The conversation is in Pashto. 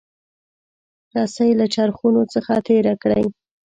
رسۍ له چرخونو څخه تیره کړئ.